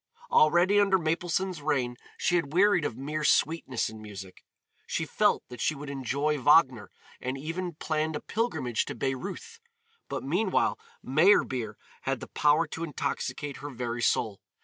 Already, under Mapleson's reign, she had wearied of mere sweetness in music; she felt that she would enjoy Wagner and even planned a pilgrimage to Bayreuth, but meanwhile Meyerbeer had the power to intoxicate her very soul.